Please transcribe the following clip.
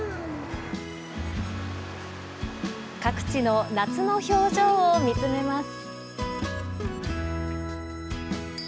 各地の夏の表情を見つめます。